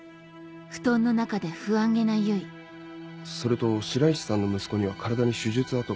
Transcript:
それと白石さんの息子には体に手術痕が。